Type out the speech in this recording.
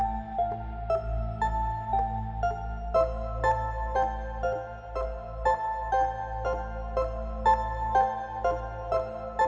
waj tiga puluh menit membaru